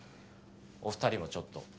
お二人もちょっと。